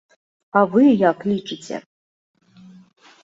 А вы як лічыце?